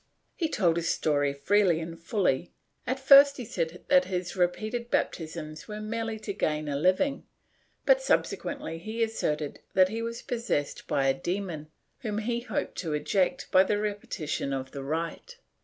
He told his story freely and fully; at first he said that his repeated baptisms were merely to gain a living, but subsequently he asserted that he was possessed by a demon, whom he hoped to eject by the repetition of the rite.